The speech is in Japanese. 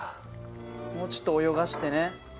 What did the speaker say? もうちょっと泳がせてね。